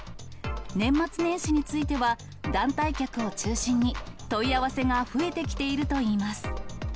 年末年始については、団体客を中心に、問い合わせが増えてきているといいます。